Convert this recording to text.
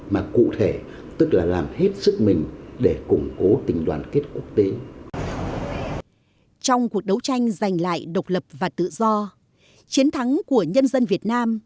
mà cụ thể tức là làm hết sức mình để củng cố tình đoàn kết quốc tế